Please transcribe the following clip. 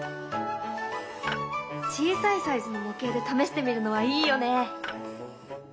小さいサイズの模型で試してみるのはいいよね。